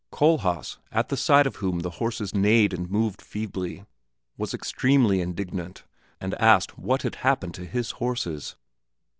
Kohlhaas, at the sight of whom the horses neighed and moved feebly, was extremely indignant, and asked what had happened to his horses.